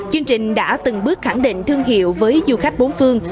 chương trình đã từng bước khẳng định thương hiệu với du khách bốn phương